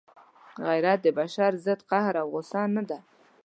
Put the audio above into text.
غیرت د بشر ضد قهر او غصه نه ده.